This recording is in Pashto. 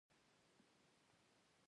زه مشفق او مهربانه شخص یم